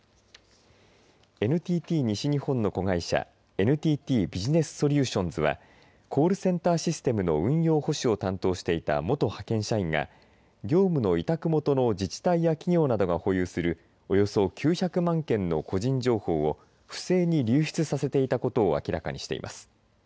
ＮＴＴ西日本の子会社ＮＴＴビジネスソリューションズはコールセンターシステムの運用保守を担当していた元派遣社員が業務の委託元の自治体や企業などが保有するおよそ９００万件の個人情報を不正に流失させていたことを明らかにしています。